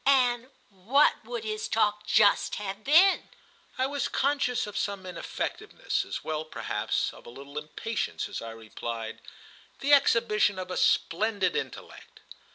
"And what would his talk just have been?" I was conscious of some ineffectiveness, as well perhaps as of a little impatience, as I replied: "The exhibition of a splendid intellect."